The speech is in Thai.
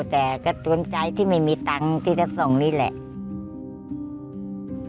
แต่สตรงใจดีไม่มีเงินที่จะส่งนี่แหละ